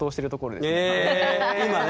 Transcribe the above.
今ね？